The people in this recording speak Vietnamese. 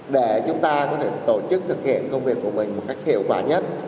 để chúng ta có thể tổ chức thực hiện công việc của mình một cách hiệu quả nhất